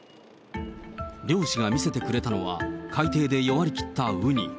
漁師が見せてくれたのは、海底で弱り切ったウニ。